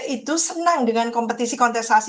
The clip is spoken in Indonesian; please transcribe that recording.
itu senang dengan kompetisi kontestasi